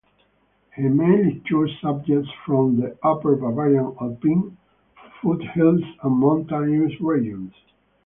He mainly chose subjects from the Upper Bavarian Alpine foothills and mountainous regions.